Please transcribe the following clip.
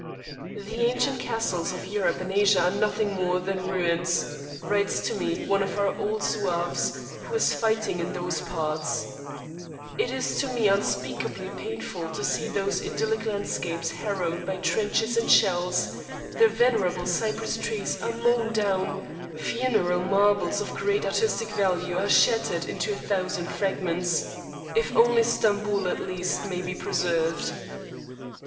"The ancient castles of Europe and Asia are nothing more than ruins," writes to me one of our old Zouaves, who is fighting in those parts; "it is to me unspeakably painful to see those idyllic landscapes harrowed by trenches and shells; the venerable cypress trees are mown down; funereal marbles of great artistic value are shattered into a thousand fragments. If only Stamboul at least may be preserved!"